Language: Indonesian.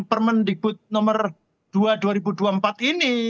permendikbud nomor dua dua ribu dua puluh empat ini